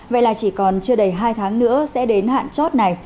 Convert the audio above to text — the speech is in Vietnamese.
vậy là chỉ còn chưa đầy hai tháng nữa sẽ đến hạn